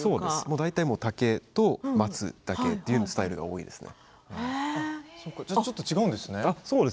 大体竹と松だけというスタイルが多いです。